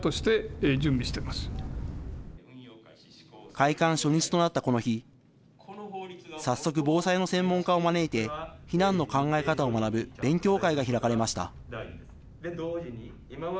開館初日となったこの日、早速、防災の専門家を招いて、避難の考え方を学ぶ勉強会が開かれました。